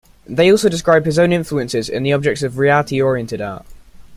They also describe his own influences in the objects of reality-oriented art.